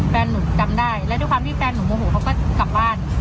แฟนหนูจำได้และด้วยความที่แฟนหนูโมโหเขาก็กลับบ้าน